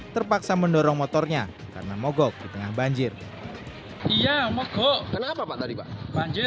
terpaksa mendorong motornya karena mogok di tengah banjir iya mogok kenapa pak tadi pak banjir